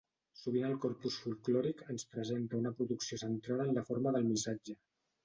Sovint el corpus folklòric ens presenta una producció centrada en la forma del missatge.